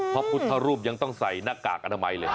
พระพุทธรูปยังต้องใส่หน้ากากอนามัยเลย